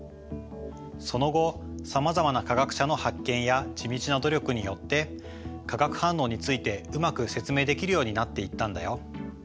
その後さまざまな科学者の発見や地道な努力によって化学反応についてうまく説明できるようになっていったんだよ。